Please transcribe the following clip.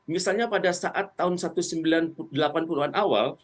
misalnya pada saat tahun seribu sembilan ratus delapan puluh an awal